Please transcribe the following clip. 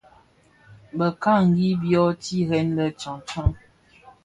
Bekangi byo tired lè tyaň tyaň.